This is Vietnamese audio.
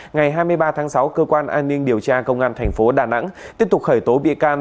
ngày hai mươi ba tháng sáu cơ quan an ninh điều tra công an thành phố đà nẵng tiếp tục khởi tố bị can